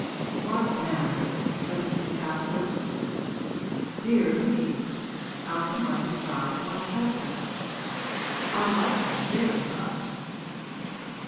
'What manner?' said Mrs. Capadose. 'Dear me, how can one describe one's husband? I like him very much.'